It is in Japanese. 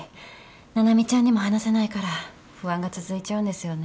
七海ちゃんにも話せないから不安が続いちゃうんですよね。